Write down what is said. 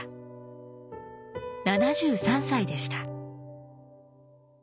７３歳でした。